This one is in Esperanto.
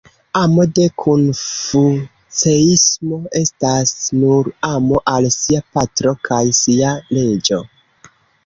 Amo de Konfuceismo estas nur amo al sia patro kaj sia reĝo.